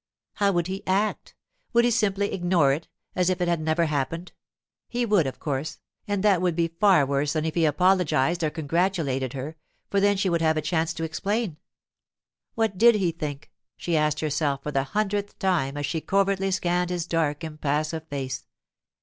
How would he act? Would he simply ignore it, as if it had never happened? He would, of course; and that would be far worse than if he apologized or congratulated her, for then she would have a chance to explain. What did he think? she asked herself for the hundredth time as she covertly scanned his dark, impassive face.